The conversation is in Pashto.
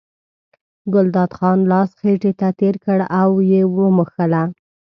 ګلداد خان لاس خېټې ته تېر کړ او یې مښله.